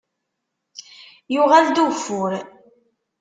Yuɣal-d ugeffur.